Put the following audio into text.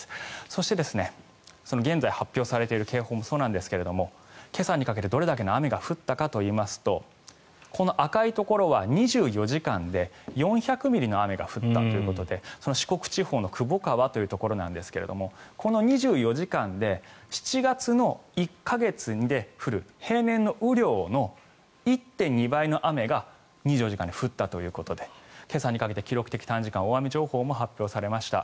そして、現在発表されている警報もそうなんですが今朝にかけてどれだけの雨が降ったかといいますとこの赤いところは２４時間で４００ミリの雨が降ったということで四国地方のクボカワというところなんですがこの２４時間で７月の１か月で降る平年の雨量の１．２倍の雨が２４時間で降ったということで今朝にかけて記録的短時間大雨情報も発表されました。